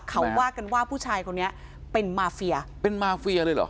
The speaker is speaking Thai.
เขาว่ากันว่าผู้ชายคนนี้เป็นมาเฟียเป็นมาเฟียเลยเหรอ